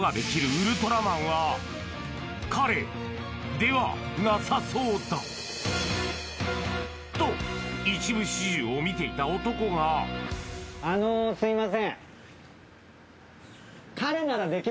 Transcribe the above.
ウルトラマンは彼ではなさそうだと一部始終を見ていた男が・あのすいません